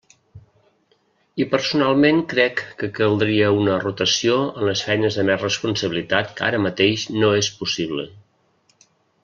I personalment crec que caldria una rotació en les feines de més responsabilitat que ara mateix no és possible.